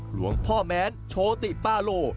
หลวงพ่อแม้นโชติปาโล